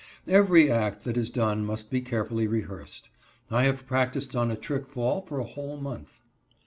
Every act that is done must be carefully rehearsed. I have practiced on a trick fall for a whole month.